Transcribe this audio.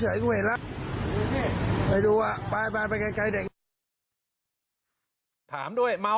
ไม่ควรเด็กเค้าทำไมอ่ะ